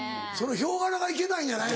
ヒョウ柄がいけないんじゃない？